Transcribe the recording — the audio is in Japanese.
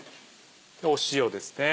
塩ですね。